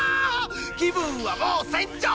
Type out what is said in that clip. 気分はもう船長！